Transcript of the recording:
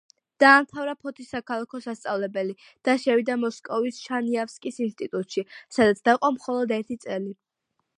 დაამთავრა ფოთის საქალაქო სასწავლებელი და შევიდა მოსკოვის შანიავსკის ინსტიტუტში, სადაც დაყო მხოლოდ ერთი წელი.